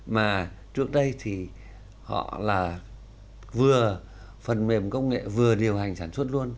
mà trước đây thì họ là vừa phần mềm công nghệ vừa điều hành sản xuất luôn